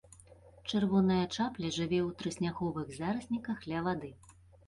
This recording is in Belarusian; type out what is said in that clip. Чырвоная чапля жыве ў трысняговых зарасніках ля вады.